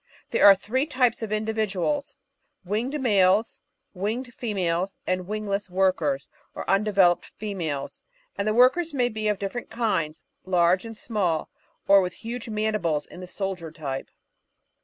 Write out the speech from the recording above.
There are three types of individuals — ^winged males, winged females, and wingless "workers" or undeveloped females; and the workers may be of different kinds, large and small — or with huge mandibles in the "soldier" type.